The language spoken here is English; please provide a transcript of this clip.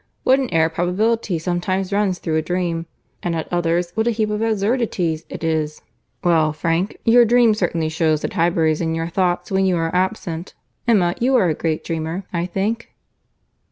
What an air of probability sometimes runs through a dream! And at others, what a heap of absurdities it is! Well, Frank, your dream certainly shews that Highbury is in your thoughts when you are absent. Emma, you are a great dreamer, I think?"